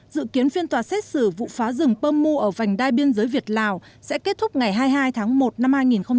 dự kiến phiên tòa xét xử vụ phá rừng pơ mu ở vành đai biên giới việt lào sẽ kết thúc ngày hai mươi hai tháng một năm hai nghìn một mươi tám